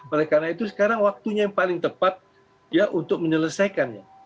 oleh karena itu sekarang waktunya yang paling tepat ya untuk menyelesaikannya